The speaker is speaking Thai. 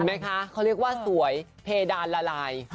ไหมคะเขาเรียกว่าสวยเพดานละลาย